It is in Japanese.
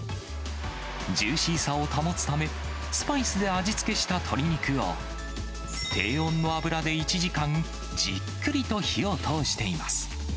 ジューシーさを保つため、スパイスで味付けした鶏肉を、低温の油で１時間じっくりと火を通しています。